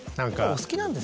お好きなんですね。